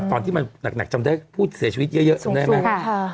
ตอนที่มันหนักจำได้ผู้เสียชีวิตเยอะจำได้ไหม